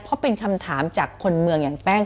เพราะเป็นคำถามจากคนเมืองอย่างแป้ง